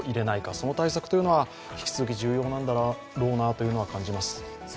その対策というのは引き続き重要なんだろうなと感じます。